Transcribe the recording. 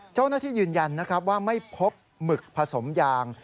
เจ้าหน้าที่ยืนยันว่าไม่พบหมึกผสมยาง